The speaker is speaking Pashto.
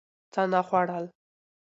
څه نه خوړل